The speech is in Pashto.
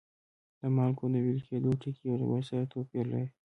د مالګو د ویلي کیدو ټکي یو له بل سره توپیر لري.